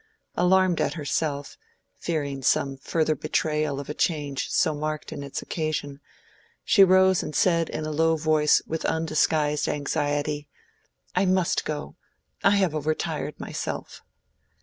Alarmed at herself—fearing some further betrayal of a change so marked in its occasion, she rose and said in a low voice with undisguised anxiety, "I must go; I have overtired myself."